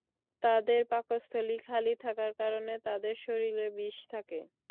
তাদের পাকস্থলী খালি থাকার কারণে তাদের শরীরে বিষ থাকে।